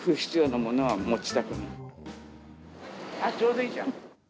ちょうどいいじゃん。